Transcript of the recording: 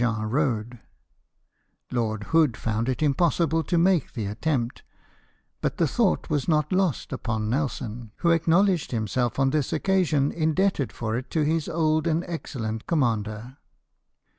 Lord Hood found it impossible to make the attempt ; but the thought was not lost upon Nelson, who acknowledged himself on this occasion indebted for it to his old and excellent commander.